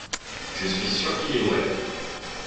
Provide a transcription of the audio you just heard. je suis sûr qu'il aimerait.